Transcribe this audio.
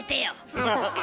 ああそっか。